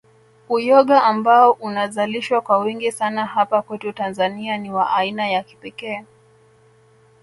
Uyoga ambao unazalishwa kwa wingi sana hapa kwetu Tanzania ni wa aina ya kipekee